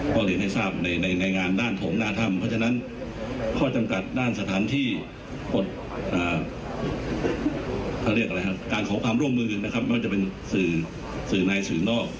เขาเรียกอะไรครับการขอความร่วมมือนะครับไม่ว่าจะเป็นสื่อสื่อในสื่อนอก